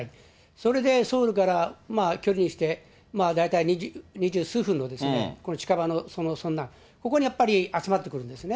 それでソウルから距離にして二十数分の、近場のソンナム、そこにやっぱり集まってくるんですね。